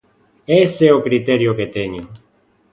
Ese é o criterio que teñen.